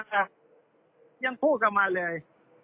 ยังพูดกลับมาเลย